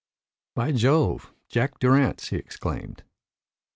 "By Jove! Jack Durrance," he exclaimed.